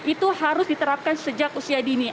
itu harus diterapkan sejak usia dini